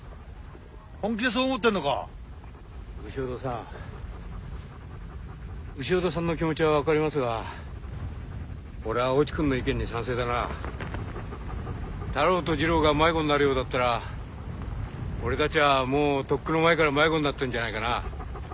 本気でそう思ってんのか潮田さん潮田さんの気持ちは分かりますが俺は越智君の意見に賛成だなタロとジロが迷子になるようだったら俺たちはもうとっくの前から迷子になってんじゃないかなあ